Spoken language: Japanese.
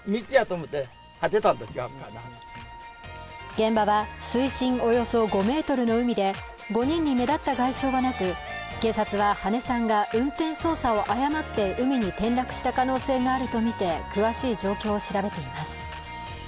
現場は水深およそ５ｍの海で５人に目立った外傷はなく、警察は羽根さんが運転操作を誤って海に転落した可能性があるとみて詳しい状況を調べています。